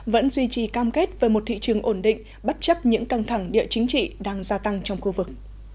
vẫn duy trì cam kết với một thị trường ổn định bất chấp những căng thẳng địa chính trị đang gia tăng trong khu vực